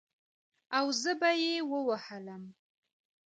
او زه به يې ووهلم.